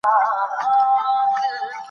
سیلابونه د افغان کلتور سره ډېر نږدې تړاو لري.